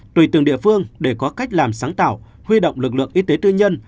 tùy từng địa phương để có cách làm sáng tạo huy động lực lượng y tế tư nhân